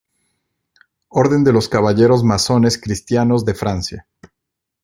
Orden de los Caballeros Masones Cristianos de Francia.